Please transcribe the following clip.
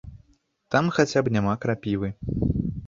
Там хаця б няма крапівы.